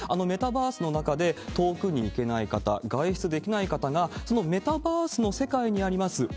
メタバースの中で遠くに行けない方、外出できない方が、そのメタバースの世界にあります